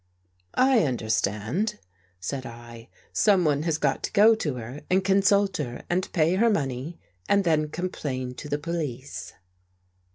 " I understand," said I. " Someone has got to go to her and consult her and pay her money and then complain to the police."